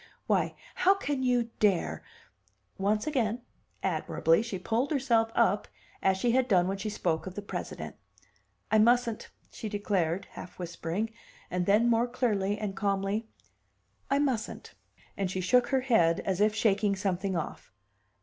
Why, how can you dare " Once again, admirably she pulled herself up as she had done when she spoke of the President. "I mustn't!" she declared, half whispering, and then more clearly and calmly, "I mustn't." And she shook her head as if shaking something off.